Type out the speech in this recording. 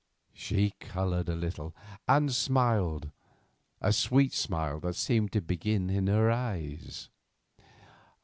She coloured a little, and smiled, a sweet smile that seemed to begin in her eyes.